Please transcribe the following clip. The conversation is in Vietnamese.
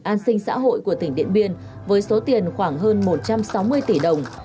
an sinh xã hội của tỉnh điện biên với số tiền khoảng hơn một trăm sáu mươi tỷ đồng